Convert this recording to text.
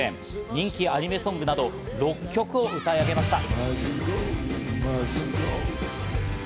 人気アニメソングなど６曲を歌い上げました。